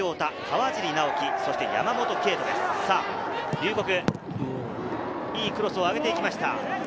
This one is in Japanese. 龍谷、いいクロスを上げてきました。